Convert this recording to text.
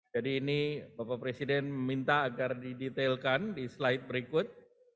jadi ini bapak presiden meminta agar didetailkan di slide berikut